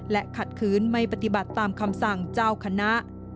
และขัดขืนไม่ปฏิบัติตามคำสั่งเจ้าคณะ